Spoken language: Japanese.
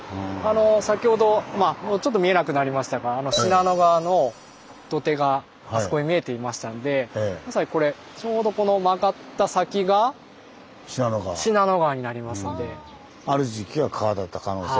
先ほどまあもうちょっと見えなくなりましたが信濃川の土手があそこに見えていましたんでまさにこれちょうどこのある時期は川だった可能性がある。